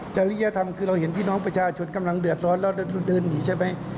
จริยธรรมคือเราเห็นพี่น้องประชาชนกำลังเดือดร้อนแล้วเดินหนีใช่ไหม